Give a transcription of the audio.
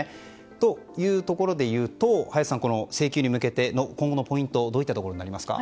というところでいうと林さん、請求に向けての今後のポイントはどういったところになりますか。